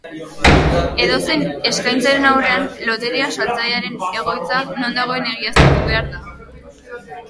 Edozein eskaintzaren aurrean loteria saltzailearen egoitza non dagoen egiaztatu behar da.